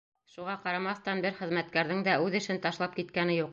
Шуға ҡарамаҫтан, бер хеҙмәткәрҙең дә үҙ эшен ташлап киткәне юҡ.